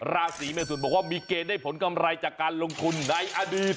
ราศีเมทุนบอกว่ามีเกณฑ์ได้ผลกำไรจากการลงทุนในอดีต